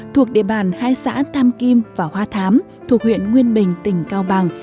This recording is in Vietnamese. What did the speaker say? thuộc địa bàn hai xã tam kim và hoa thám thuộc huyện nguyên bình tỉnh cao bằng